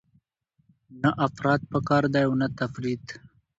نه افراط پکار دی او نه تفریط.